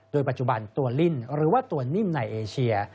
โดยปัจจุบันตัวลิ่นหรือว่าตัวนิ่มในเอเชีย